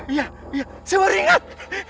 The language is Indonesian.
saya baru ingat